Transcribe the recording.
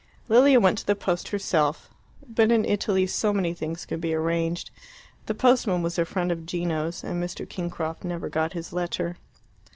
Lilia went to the post herself. But in Italy so many things can be arranged. The postman was a friend of Gino's, and Mr. Kingcroft never got his letter.